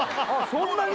そんなに？